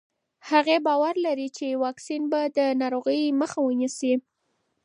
هغې باور لري چې واکسین به د ناروغۍ مخه ونیسي.